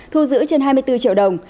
thu giữ trên hai mươi bốn triệu đồng